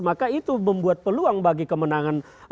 maka itu membuat peluang bagi kemenangan